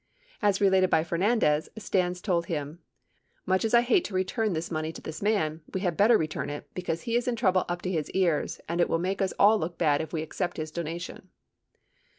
92 As related by Fernandez, Stans told him, "Much as I hate to return this money to this man, we had better return it because he is in trouble up to the ears and it will make us all look bad if we accept his donation."